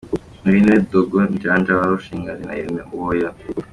Uyu niwe Dogo Mjanja warushinganye na Irene Uwoya.